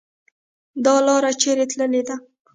.دا لار چیري تللې ده؟